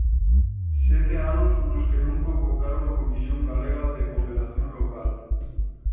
Sete anos nos que non convocaron a Comisión Galega de Cooperación Local.